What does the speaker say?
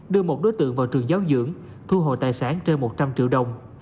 đưa một đối tượng vào trường giáo dưỡng thu hồi tài sản trên một trăm linh triệu đồng